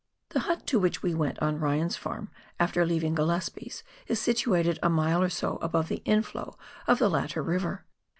The hut to which we went on Ryan's farm, after leaving Gillespies, is situated a mile or so above the inflow of the latter river.